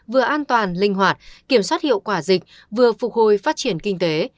vừa an toàn linh hoạt kiểm soát hiệu quả dịch vừa phục hồi phát triển kinh tế